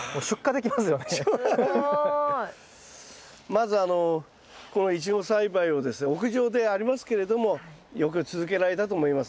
まずこのイチゴ栽培をですね屋上でありますけれどもよく続けられたと思います。